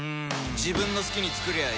自分の好きに作りゃいい